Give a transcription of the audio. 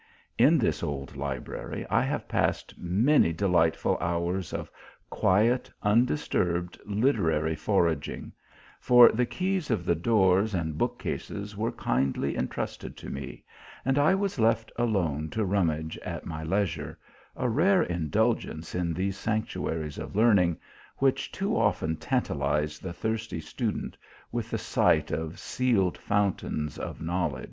In this old Library I have passed many delightful hours of quiet, undisturbed, literary foraging, for the keys of the doors and bookcases were kindly en trusted to me, and I was left alone to rummage at my leisure a rare indulgence in those sanctuaries of learning, which too often tantalize the thirsty student with the sight of sealed fountains of knowl edge.